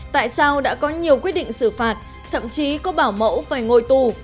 tại sao đã có nhiều quyết định xử phạt thậm chí có bảo mẫu phải ngồi tù